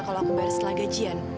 kalau aku bayar setelah gajian